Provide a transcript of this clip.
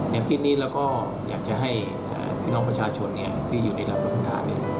ในคิดนี้เราก็อยากจะให้พี่น้องประชาชนที่อยู่ในระบบประทานนี้